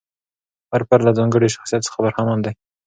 هر فرد له ځانګړي شخصیت څخه برخمن دی.